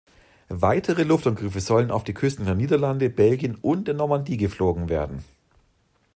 Weitere Luftangriffe sollten auf die Küsten der Niederlande, Belgien und der Normandie geflogen werden.